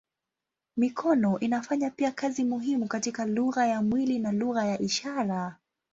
Mikono inafanya pia kazi muhimu katika lugha ya mwili na lugha ya ishara.